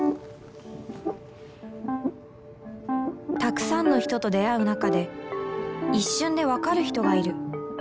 たくさんの人と出会う中で一瞬でわかる人がいる